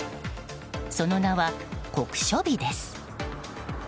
その名は酷暑日です。